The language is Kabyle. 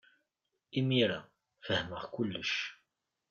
Imir-a, fehmeɣ kullec.